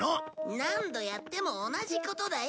何度やっても同じことだよ！